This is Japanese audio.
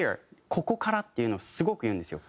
「ここから」っていうのをすごく言うんですよ。